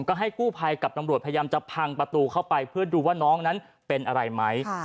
ก็ให้กู้ภัยกับตำรวจพยายามจะพังประตูเข้าไปเพื่อดูว่าน้องนั้นเป็นอะไรไหม